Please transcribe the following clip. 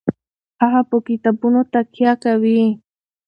هغه په کتابونو تکیه کوي.